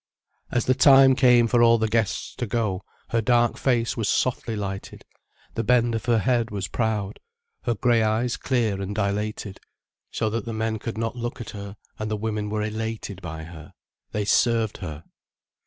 As the time came for all the guests to go, her dark face was softly lighted, the bend of her head was proud, her grey eyes clear and dilated, so that the men could not look at her, and the women were elated by her, they served her.